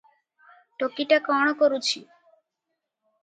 "ଟୋକିଟା କଣ କରୁଛି?"